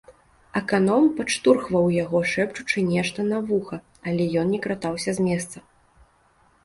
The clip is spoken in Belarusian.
Аканом падштурхваў яго, шэпчучы нешта на вуха, але ён не кратаўся з месца.